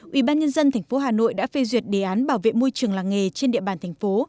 ubnd tp hà nội đã phê duyệt đề án bảo vệ môi trường làng nghề trên địa bàn thành phố